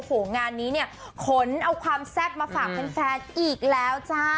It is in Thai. โอ้โหงานนี้เนี่ยขนเอาความแซ่บมาฝากแฟนอีกแล้วจ้า